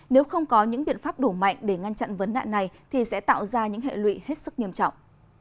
nếu không có những biện pháp đủ mạnh để ngăn chặn vấn nạn này thì sẽ tạo ra những hệ lụy hết sức nghiêm trọng